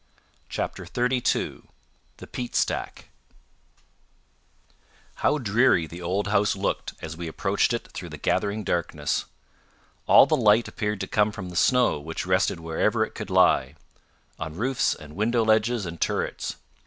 CHAPTER XXXII The Peat Stack How dreary the old house looked as we approached it through the gathering darkness! All the light appeared to come from the snow which rested wherever it could lie on roofs and window ledges and turrets.